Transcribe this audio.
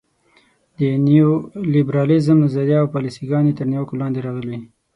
د نیولیبرالیزم نظریه او پالیسي ګانې تر نیوکو لاندې راغلي.